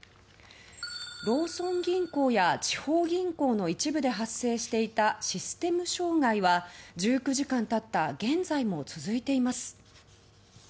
ローソン銀行や地方銀行の一部で発生していたシステム障害は１９時間経った現在も続いています。